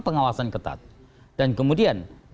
pengawasan ketat dan kemudian